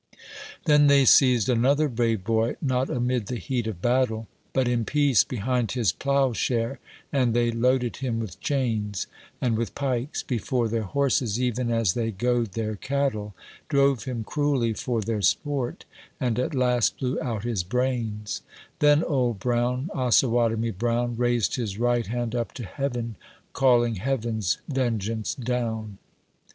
Then they seized another brave boy — not amid the heat of battle, But in peace, behind his plough share — and they loaded him with chains, And with pikes, before their horses, even as they goad their cattle, Drove him, cruelly, for their sport, and at last blew out his brains ; Then Old Brown, Osawatomie Brown, Raised his right hand up to Heaven, calling Heaven's ven geance down.